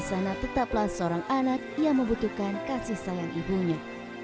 di sana tetaplah seorang anak yang membutuhkan kasih sayang ibunya